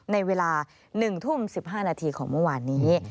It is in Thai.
ในเวลา๑ทุ่ม๑๕นาทีของเมื่อวานนี้